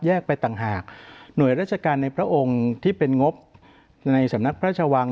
ไปต่างหากหน่วยราชการในพระองค์ที่เป็นงบในสำนักพระชวัง